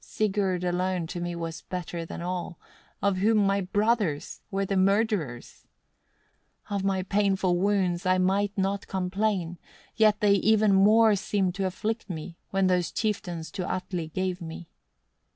Sigurd alone to me was better than all, of whom my brothers were the murderers. 11. "Of my painful wounds I might not complain; yet they even more seemed to afflict me, when those chieftains to Atli gave me.